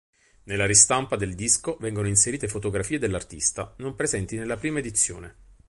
Nella ristampa del disco vengono inserite fotografie dell'artista, non presenti nella prima edizione.